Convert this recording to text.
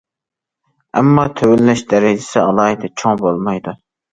ئەمما تۆۋەنلەش دەرىجىسى ئالاھىدە چوڭ بولمايدۇ.